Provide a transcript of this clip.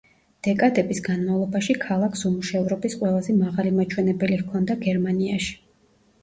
დეკადების განმავლობაში ქალაქს უმუშევრობის ყველაზე მაღალი მაჩვენებელი ჰქონდა გერმანიაში.